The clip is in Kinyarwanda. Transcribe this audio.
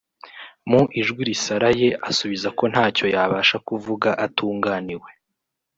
mu ijwi risaraye asubiza ko ntacyo yabasha kuvuga atunganiwe